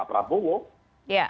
yang pertama adalah pak prabowo